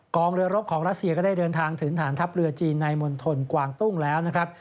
เรือรบของรัสเซียก็ได้เดินทางถึงฐานทัพเรือจีนในมณฑลกวางตุ้งแล้วนะครับ